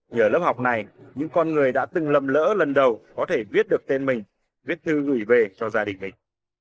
nhờ lớp học này những con người đã từng lầm lỡ lần đầu có thể viết được tên mình viết thư gửi về cho gia đình mình